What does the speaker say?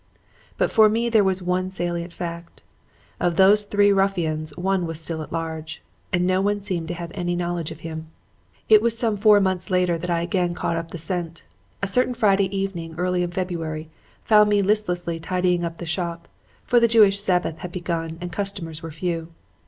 But for me there was one salient fact: of those three ruffians one was still at large, and no one seemed to have any knowledge of him. "It was some four months later that I again caught up the scent. A certain Friday evening early in February found me listlessly tidying up the shop; for the Jewish Sabbath had begun and customers were few.